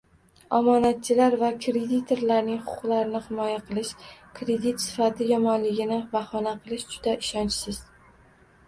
Omonatchilar va kreditorlarning huquqlarini himoya qilish, kredit sifati yomonligini bahona qilish juda ishonchsiz